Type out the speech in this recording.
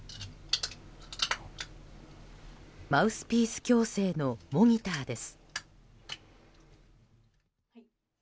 マウスピース矯正のモニターです。